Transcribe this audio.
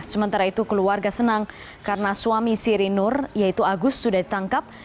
sementara itu keluarga senang karena suami siri nur yaitu agus sudah ditangkap